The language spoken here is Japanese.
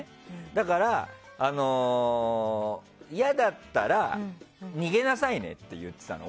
だから、嫌だったら逃げなさいねって言ってたの。